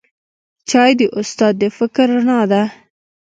چای د استاد د فکر رڼا ده